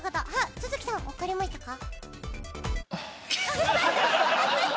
都築さんわかりましたか？